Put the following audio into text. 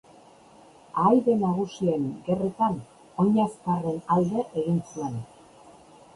Ahaide Nagusien gerretan oinaztarren alde egin zuen.